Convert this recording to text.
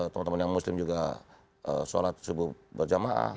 teman teman yang muslim juga sholat subuh berjamaah